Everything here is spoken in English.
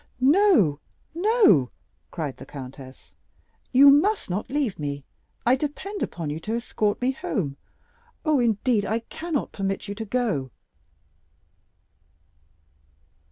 "No, no," cried the countess; "you must not leave me. I depend upon you to escort me home. Oh, indeed, I cannot permit you to go."